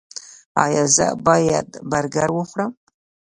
ایا زه باید برګر وخورم؟